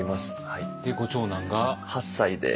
はい。